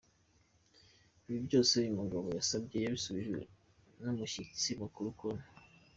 Ibi byose uyu mugabo yasabye yasubijwe n’umushyitsi mukuru Col.